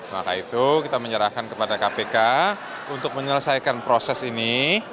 maka itu kita menyerahkan kepada kpk untuk menyelesaikan proses ini